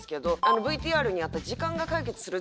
ＶＴＲにあった。